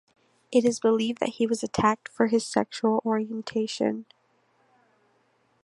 It is believed that he was attacked for his sexual orientation.